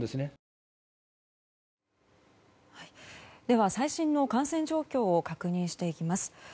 では最新の感染状況を確認していきます。